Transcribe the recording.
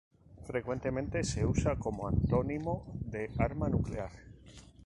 Frecuentemente se usa como antónimo de arma nuclear.